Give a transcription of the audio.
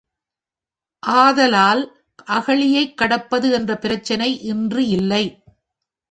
ஆதலால் அகழியைக் கடப்பது என்ற பிரச்னை இன்று இல்லை.